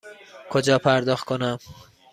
کجا پرداخت کنم؟